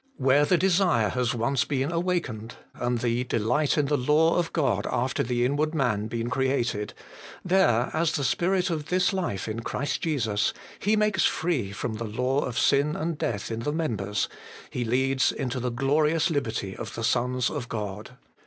Where the desire has once been awakened, and the delight in the law of God after the inward man been created, there, as the Spirit of this life in Christ Jesus, He makes free from the law of sin and death in the members, he leads into the glorious liberty of the sons of God.